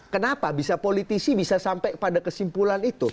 kenapa bisa politisi bisa sampai pada kesimpulan itu